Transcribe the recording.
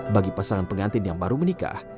bagi pasangan pengantin yang baru menikah